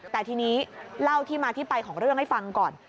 แต่ทีนี้เล่าที่มาที่ไปของเรื่องให้ฟังก่อน